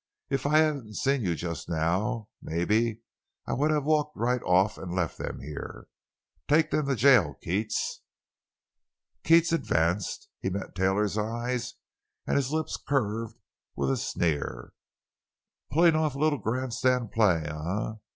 If I hadn't seen you just now, maybe I would have walked right off and left them here. Take them to jail, Keats." Keats advanced. He met Taylor's eyes and his lips curved with a sneer: "Pullin' off a little grand stand play, eh!